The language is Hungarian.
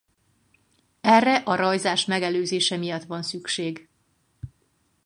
Erre a rajzás megelőzése miatt van szükség.